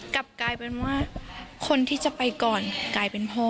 กลับกลายเป็นว่าคนที่จะไปก่อนกลายเป็นพ่อ